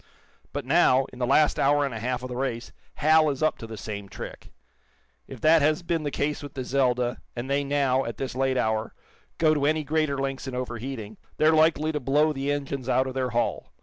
But now, in the last hour and a half of the race, Hal is up to the same trick. If that has been the case with the 'Zelda,' and they now, at this late hour, go to any greater lengths in overheating, they're likely to blow the engines out of their hull.